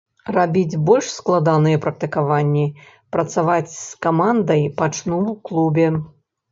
Рабіць больш складаныя практыкаванні, працаваць з камандай пачну ў клубе.